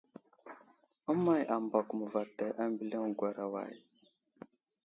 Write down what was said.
Əway ambako məvətay ambiliŋgwera way ?